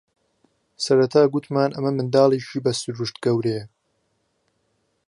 سەرەتا گوتمان ئەمە منداڵێکی بە سرووشت گەورەیە